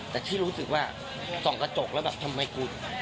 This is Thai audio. แต่ที่รู้สึกว่าส่องกระจกแล้วแบบทำไมกู